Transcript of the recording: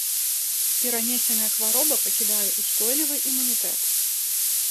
Перанесеная хвароба пакідае ўстойлівы імунітэт.